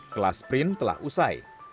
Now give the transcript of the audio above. kelas sprint telah usai